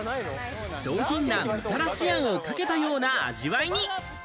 上品なみたらしあんをかけたような味わいに。